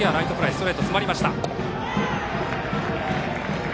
ストレートに詰まりました。